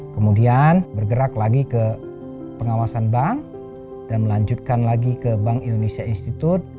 kemudian bergerak lagi ke pengawasan bank dan melanjutkan lagi ke bank indonesia institute